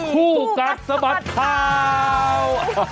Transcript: คู่กัดสะบัดข่าว